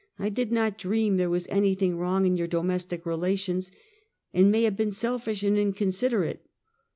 I did not dream there was anything wrong in your do mestic relations, and may have been selfish and incon siderate."